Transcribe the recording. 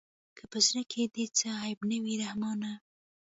که په زړه کښې دې څه عيب نه وي رحمانه.